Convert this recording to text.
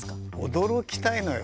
驚きたいのよ。